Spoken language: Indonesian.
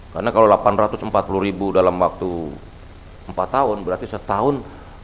kenapa kalau delapan ratus empat puluh dalam waktu empat tahun berarti setahun dua ratus sepuluh